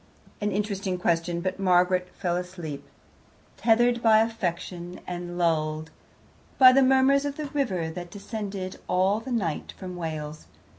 An interesting question, but Margaret fell asleep, tethered by affection, and lulled by the murmurs of the river that descended all the night from Wales.